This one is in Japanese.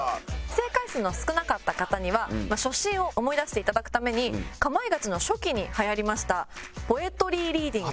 正解数の少なかった方には初心を思い出していただくために『かまいガチ』の初期にはやりましたポエトリーリーディングで。